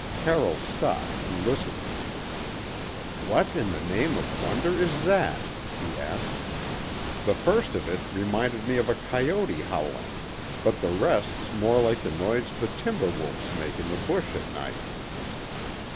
Carroll stopped and listened. "What in the name of wonder is that?" he asked. "The first of it reminded me of a coyote howling, but the rest's more like the noise the timber wolves make in the bush at night."